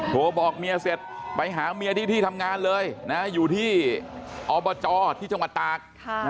โทรบอกเมียเสร็จไปหาเมียที่ที่ทำงานเลยนะอยู่ที่อบจที่จังหวัดตาก